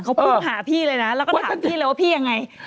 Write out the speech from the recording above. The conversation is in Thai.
เขาพูดหาพี่เลยนะแล้วก็ถามพี่เลยว่าพี่ยังไง